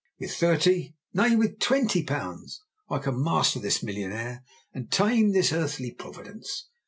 With thirty, nay, with twenty pounds, I can master this millionaire and tame this Earthly Providence.